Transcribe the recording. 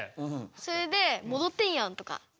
それで「戻ってんやん！」とか。